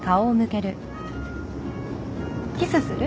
キスする？